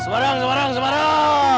semarang semarang semarang